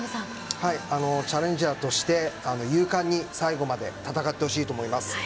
チャレンジャーとして勇敢に最後まで戦ってほしいと思います。